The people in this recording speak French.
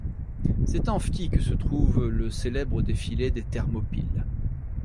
C'est en Phthie que se trouve le célèbre défilé des Thermopyles.